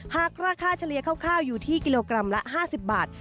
หากราคาเฉลี่ยคร่าวอยู่ที่กิโลกรัมละ๕๐บาท